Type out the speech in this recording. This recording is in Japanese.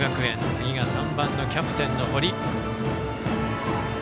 次が３番、キャプテンの堀。